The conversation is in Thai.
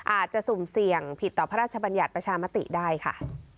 สุ่มเสี่ยงผิดต่อพระราชบัญญัติประชามติได้ค่ะ